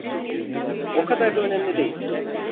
O kadar da önemli değil.